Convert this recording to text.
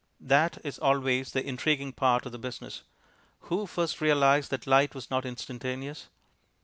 That is always the intriguing part of the business. Who first realized that light was not instantaneous?